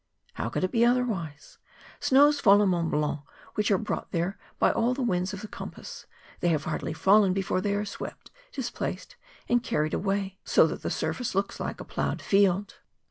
How could it be other¬ wise? Snows fall on Mont Blanc, which are brought there by all the winds of the compass; they have hardly fallen before they are swept, displaced, and carried away, so that the surface looks like a ploughed field.